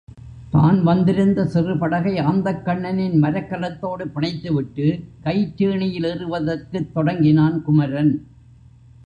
தான் வந்திருந்த சிறு படகை ஆந்தைக்கண்ணனின் மரக் கலத்தோடு பிணைத்துவிட்டு கயிற்றேணியில் ஏறுவதற்குத் தொடங்கினான் குமரன்.